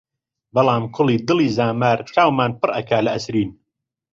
بەڵام کوڵی دڵی زامار، چاومان پڕ ئەکا لە ئەسرین!